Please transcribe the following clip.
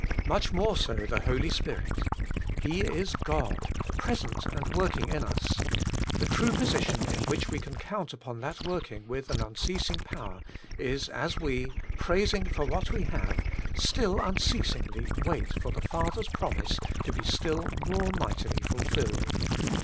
^ Much more sc the Holy Spirit. He is God, present and working in us : the true position in which we can count upon that working with an unceasing ^ See ncie on Law, TA« Power of the Spirit. 138 WAITING ON GOD! power is as we, praising for what we have, still unceasingly wait for the Father's promise to bo still more mightily fulfilled.